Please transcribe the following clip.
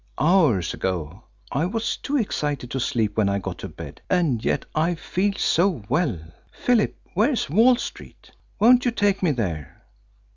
"Hours ago. I was too excited to sleep when I got to bed, and yet I feel so well. Philip, where's Wall Street? Won't you take me there?"